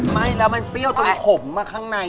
ไม่แล้วมันเปรี้ยวตรงขมมาข้างใน